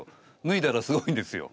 ぬいだらすごいんですよ。